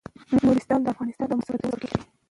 نورستان د افغانستان د موسم د بدلون سبب کېږي.